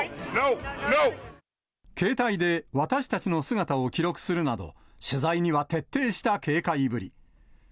携帯で私たちの姿を記録するなど、取材には徹底した警戒ぶり。